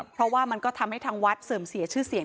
เพราะว่ามันก็ทำให้ทางวัดเสื่อมเสียชื่อเสียง